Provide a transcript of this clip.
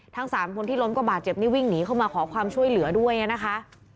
ทั้ง๓คนที่ล้มก็บาดเจ็บนี่วิ่งหนีเข้ามาขอความช่วยเหลือด้วยนะคะ